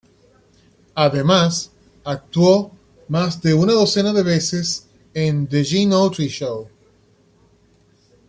Además, actuó más de una docena de veces en "The Gene Autry Show".